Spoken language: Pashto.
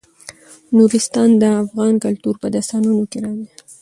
نورستان د افغان کلتور په داستانونو کې راځي.